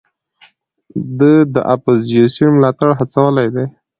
ده د اپوزېسیون ملاتړ هڅولی دی.